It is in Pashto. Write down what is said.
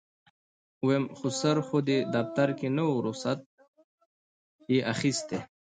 ويم خسر خو دې دفتر کې نه و رخصت يې اخېستی.